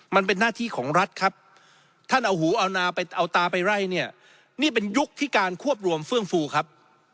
มันเป็นหน้าที่ของรัฐครับท่านเอาหูเอานาไปเอาตาไปไล่เนี่ยนี่เป็นยุคที่การควบรวมเฟื่องฟูครับ